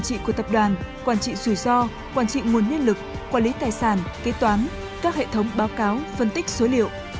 các dự án của tập đoàn quản trị rủi ro quản trị nguồn nguyên lực quản lý tài sản kế toán các hệ thống báo cáo phân tích số liệu